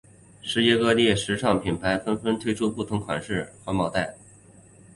世界各地时尚品牌纷纷推出不同款式环保袋。